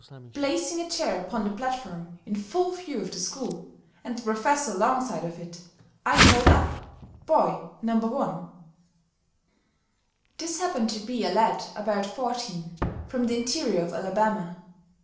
Placing a chair upon the platform, in full view of the school, and the Professor alongside of it, I called up Boy No. 1. This happened to be a lad about fourteen, from the interior of Alabama.